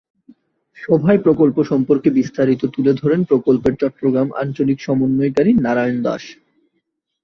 সভায় প্রকল্প সম্পর্কে বিস্তারিত তুলে ধরেন প্রকল্পের চট্টগ্রাম আঞ্চলিক সমন্বয়কারী নারায়ণ দাশ।